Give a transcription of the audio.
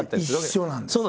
もう一緒なんです！